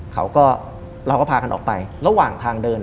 เขาก็เราก็พากันออกไประหว่างทางเดิน